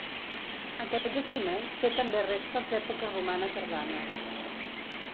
Aquest jaciment té també restes d'època romana tardana.